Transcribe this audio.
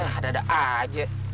hah dada aja